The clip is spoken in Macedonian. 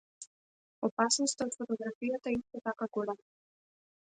Опасноста од фотографијата е исто така голема.